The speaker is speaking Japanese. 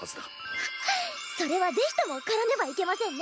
ははっそれは是非とも狩らねばいけませんね。